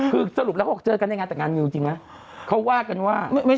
คือสรุปแล้วเขาบอกเจอกันในงานแต่งงานมิวจริงไหมเขาว่ากันว่า